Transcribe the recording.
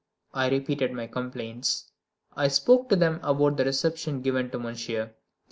I repeated my complaints. I spoke to them about the reception given to Monsieur.